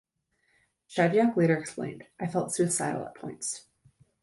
Shadyac later explained: I felt suicidal at points.